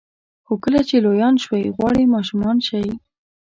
خو کله چې لویان شوئ غواړئ ماشومان شئ.